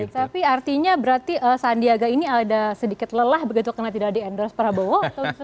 baik baik tapi artinya berarti sandiaga ini ada sedikit lelah begitu kena tidak diendorse prabowo